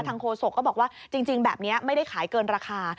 โฆษกก็บอกว่าจริงแบบนี้ไม่ได้ขายเกินราคา